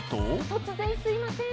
突然すいません。